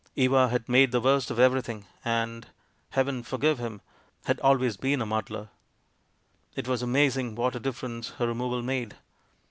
Eva had made the worst of everything, and — Heaven forgive him! — had al ways been a muddler. It was amazing what a difference her removal made.